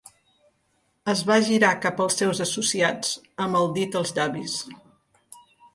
Es va girar cap als seus associats amb el dit als llavis.